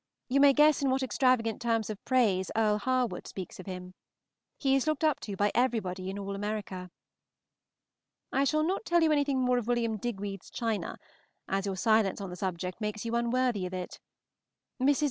You may guess in what extravagant terms of praise Earle Harwood speaks of him. He is looked up to by everybody in all America. I shall not tell you anything more of Wm. Digweed's china, as your silence on the subject makes you unworthy of it. Mrs.